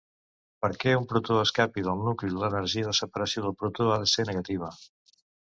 Perquè un protó escapi del nucli l'energia de separació del protó ha de ser negativa.